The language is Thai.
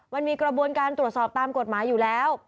มันมีกระบวนการตรวจสอบตามกฎหมายอยู่แล้ว